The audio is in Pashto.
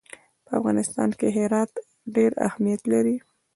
په افغانستان کې هرات ډېر اهمیت لري.